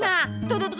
nah tuh tuh tuh tuh